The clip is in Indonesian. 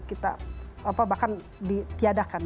kita bahkan ditiadakan